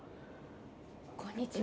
こんにちは。